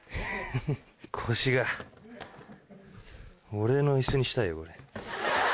俺の椅子にしたいよこれ。